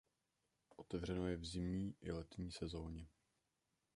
Otevřeno je v zimní i letní sezoně.